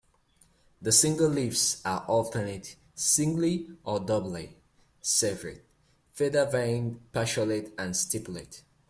The simple leaves are alternate, singly or doubly serrate, feather-veined, petiolate and stipulate.